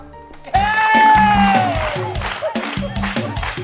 เฮ้ย